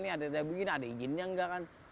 ini ada begini ada izinnya enggak kan